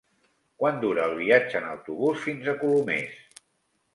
Quant dura el viatge en autobús fins a Colomers?